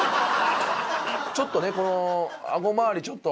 ちょっとねこの顎回りちょっと。